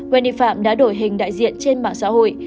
eni phạm đã đổi hình đại diện trên mạng xã hội